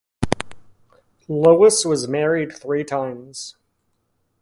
Lewis was married three times.